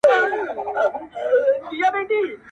• کوم یو چي سور غواړي، مستي غواړي، خبري غواړي.